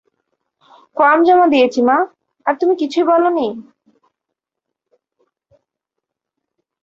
Form জমা দিয়েছি মা - আর তুমি কিছুই বলোনি?